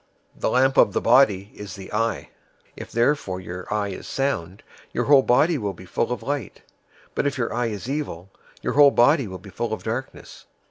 006:022 "The lamp of the body is the eye. If therefore your eye is sound, your whole body will be full of light. 006:023 But if your eye is evil, your whole body will be full of darkness.